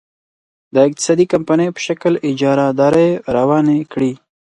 د اقتصادي کمپنیو په شکل اجارادارۍ روانې کړي.